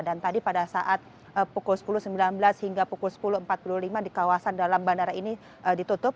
dan tadi pada saat pukul sepuluh sembilan belas hingga pukul sepuluh empat puluh lima di kawasan dalam bandara ini ditutup